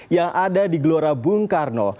yang ada di gelora bung karno